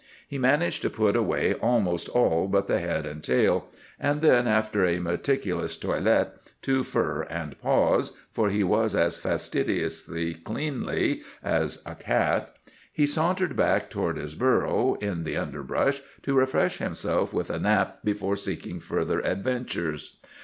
He managed to put away almost all but the head and tail, and then, after a meticulous toilet to fur and paws—for he was as fastidiously cleanly as a cat—he sauntered back toward his burrow in the underbrush, to refresh himself with a nap before seeking further adventures.